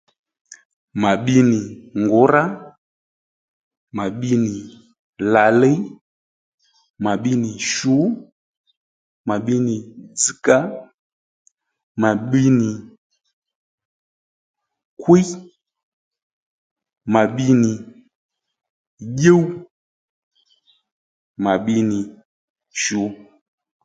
Mà bbi nì ngǔrá, mà bbi nì làliy, mà bbi nì shu, mà bbi nì dzzga, mà bbi nì kwíy, mà bbi nì tdyûw, mà bbi nì shu